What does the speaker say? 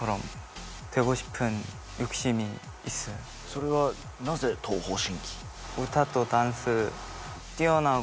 それはなぜ東方神起？